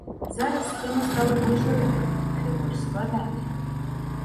Зараз схема стала больш рынкавай, але больш складанай.